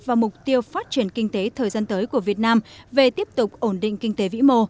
và mục tiêu phát triển kinh tế thời gian tới của việt nam về tiếp tục ổn định kinh tế vĩ mô